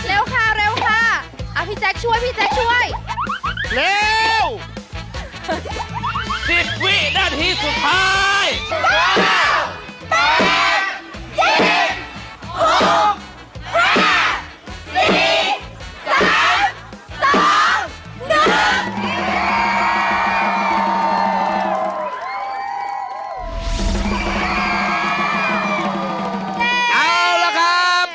เอาละครับ